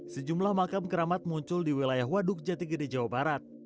sejumlah makam keramat muncul di wilayah waduk jati gede jawa barat